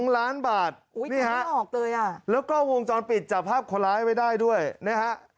๒ล้านบาทแล้วก็วงจรปิดจับภาพคร้าให้ได้ด้วยนะครับ